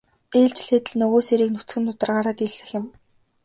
Ээлжлээд л нөгөө сээрийг нүцгэн нударгаараа дэлсэх юм.